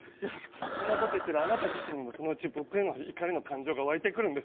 そんなこと言ってるあなた自身にもそのうち僕への怒りの感情が湧いてくるんですよ。